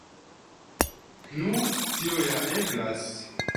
Nu, tio ja eblas.